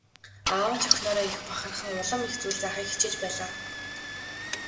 Аав нь ч охиноороо их бахархан улам их зүйл заахыг хичээж байлаа.